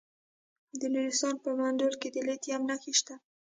د نورستان په مندول کې د لیتیم نښې شته.